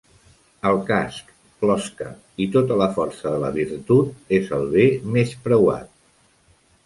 El casc (closca) i tota la força de la virtut és el bé més preuat